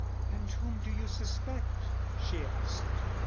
"And whom do you suspect?" she asked.